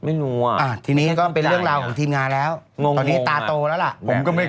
ไม่รู้อ่ะทีนี้ก็เป็นเรื่องราวของทีมงานแล้วงงตอนนี้ตาโตแล้วล่ะผมก็ไม่